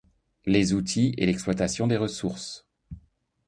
Les outils et l'exploitation des ressources...